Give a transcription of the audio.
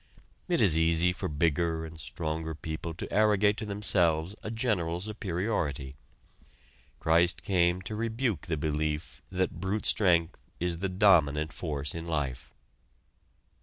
It is easy for bigger and stronger people to arrogate to themselves a general superiority. Christ came to rebuke the belief that brute strength is the dominant force in life.